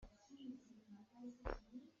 Hnawm ponnak ah hnawm na pon lai.